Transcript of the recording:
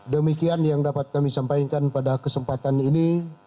demikian yang dapat kami sampaikan pada kesempatan ini